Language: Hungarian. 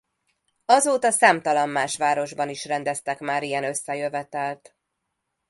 Azóta számtalan más városban is rendeztek már ilyen összejövetelt.